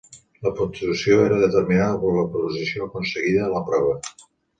La puntuació era determinada per la posició aconseguida a la prova.